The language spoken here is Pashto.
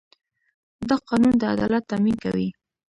دا قانون د عدالت تامین کوي.